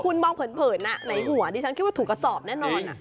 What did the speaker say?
คุณมองเผินในหัวดิฉันคิดว่าถูกกระสอบแน่นอน